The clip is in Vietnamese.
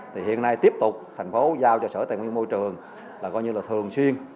thì hiện nay tiếp tục thành phố giao cho sở tài nguyên môi trường là coi như là thường xuyên